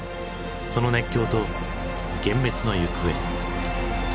その熱狂と幻滅の行方。